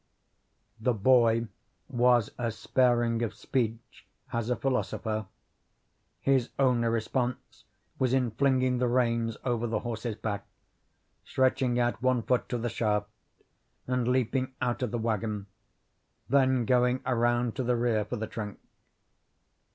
The boy was as sparing of speech as a philosopher. His only response was in flinging the reins over the horse's back, stretching out one foot to the shaft, and leaping out of the wagon, then going around to the rear for the trunk.